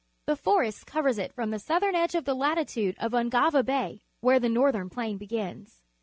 The forest covers it from the southern edge to the lati tude of Ungava Bay, where the Northern Plain begins.